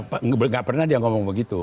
tapi dia enggak pernah dia ngomong begitu